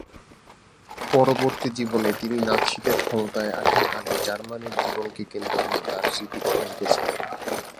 পরবর্তী জীবনে তিনি নাৎসিদের ক্ষমতায় আসার আগে জার্মানির জীবনকে কেন্দ্র করে তার স্মৃতিকথা লিখেছিলেন।